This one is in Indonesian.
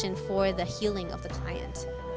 untuk penyembuhan klien